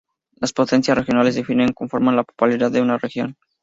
Las potencias regionales definen y conforman la polaridad de una región.